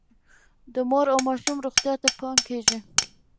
د مور او ماشوم روغتیا ته پام کیږي.